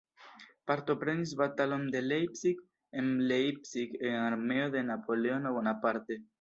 Partoprenis batalon de Leipzig en Leipzig en armeo de Napoleono Bonaparte.